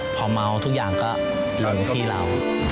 พอเมาทุกอย่างก็ลงที่เรา